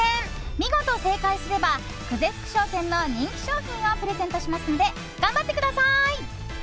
見事、正解すれば久世福商店の人気商品をプレゼントしますので頑張ってください。